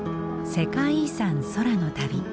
「世界遺産空の旅」